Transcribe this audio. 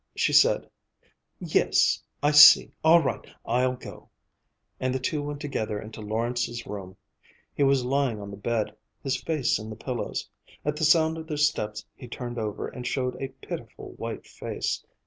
She said: "Yes, I see. All right I'll go," and the two went together into Lawrence's room. He was lying on the bed, his face in the pillows. At the sound of their steps he turned over and showed a pitiful white face.